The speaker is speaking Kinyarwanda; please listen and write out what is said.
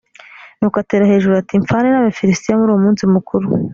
nuko atera hejuru ati mfane n abafilisitiya muri uwo munsi mukuru